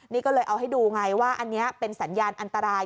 นี่ก็เลยเอาให้ดูไงว่าอันนี้เป็นสัญญาณอันตราย